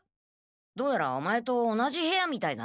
どうやらお前と同じ部屋みたいだな。